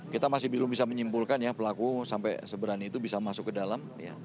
kita masih belum bisa menyimpulkan ya pelaku sampai seberani itu bisa masuk ke dalam